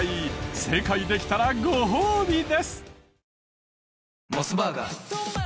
正解できたらご褒美です！